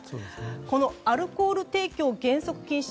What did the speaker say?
このアルコール提供原則禁止。